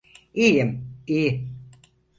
İyiyim, iyi.